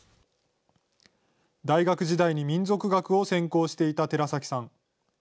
大学時代に民俗学を専攻していた寺崎さん。